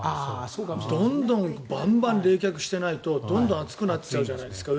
どんどんバンバン冷却しないと暑くなっていくじゃないですか。